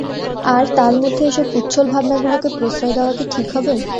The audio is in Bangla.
আর তার মধ্যে এসব উচ্ছ্বল ভাবনাগুলোকে প্রশ্রয় দেওয়া কী ঠিক হবে?